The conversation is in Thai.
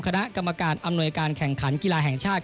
คณะกรรมการอำนวยการแข่งขันกีฬาแห่งชาติ